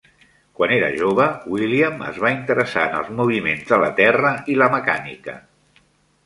Quan era jove, William es va interessar en els moviments de la terra i la mecànica.